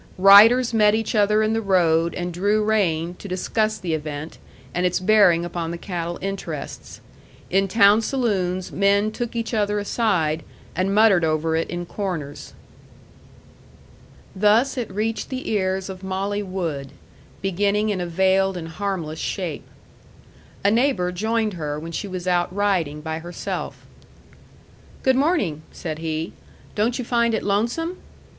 Riders met each other in the road and drew rein to discuss the event, and its bearing upon the cattle interests. In town saloons men took each other aside, and muttered over it in corners. Thus it reached the ears of Molly Wood, beginning in a veiled and harmless shape. A neighbor joined her when she was out riding by herself. "Good morning," said he. "Don't you find it lonesome?"